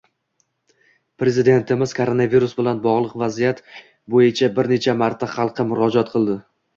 Prezidentimiz koronavirus bilan bogʻliq vaziyat boʻyicha bir necha marta xalqqa murojaat qildi.